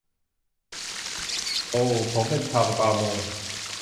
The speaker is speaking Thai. ปู่ผมเป็นชาวประมง